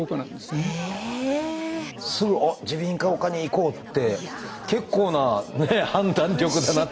すぐあっ耳鼻咽喉科に行こうって結構な判断力だなって。